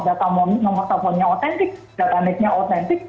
data nomor teleponnya otentik data nextnya otentik